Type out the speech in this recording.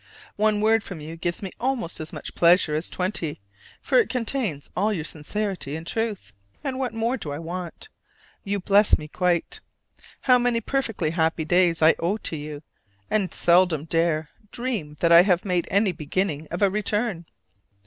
One word from you gives me almost as much pleasure as twenty, for it contains all your sincerity and truth; and what more do I want? Yon bless me quite. How many perfectly happy days I owe to you, and seldom dare dream that I have made any beginning of a return!